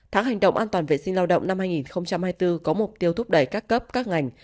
tháng hành động an toàn vệ sinh lao động năm hai nghìn hai mươi bốn có mục tiêu thúc đẩy các cấp các ngành